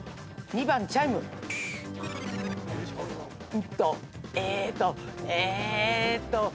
２番「チャイム」えっとえっと。